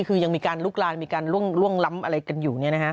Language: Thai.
คือยังมีการลุกลานมีการล่วงล้ำอะไรกันอยู่